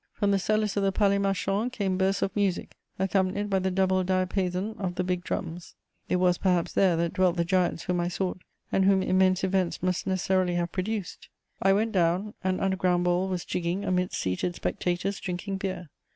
From the cellars of the Palais Marchand came bursts of music, accompanied by the double diapason of the big drums: it was perhaps there that dwelt the giants whom I sought, and whom immense events must necessarily have produced. I went down: an underground ball was jigging amidst seated spectators drinking beer.